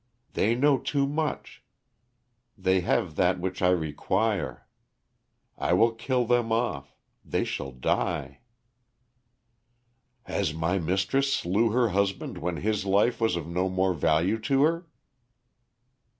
They know too much, they have that which I require. I will kill them off they shall die " "As my mistress slew her husband when his life was of no more value to her?"